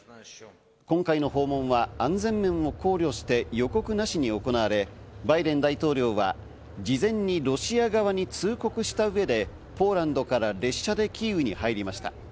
今回の訪問は安全面を考慮して予告なしに行われ、バイデン大統領は事前にロシア側に通告した上で、ポーランドから列車でキーウに入りました。